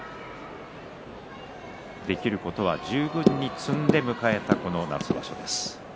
できることは十分に積んで迎えた、この夏場所です。